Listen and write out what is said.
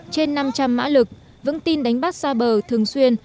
trên năm trăm linh mã lực vững tin đánh bắt xa bờ thường xuyên